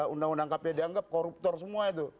undang undang kpk dianggap koruptor semua itu